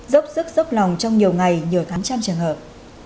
dốc sức sốc lòng trong nhiều ngày nhiều tháng trăm trường hợp